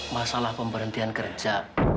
masalah pemberhentian kerja